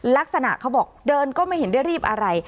ลักษณะเขาบอกเดินก็ไม่เห็นได้รีบอะไร